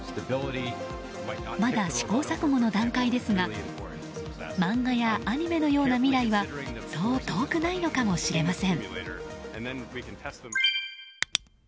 まだ試行錯誤の段階ですが漫画やアニメのような未来はそう遠くないのかもしれません。